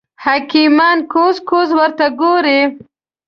حکیمان کوز کوز ورته ګوري.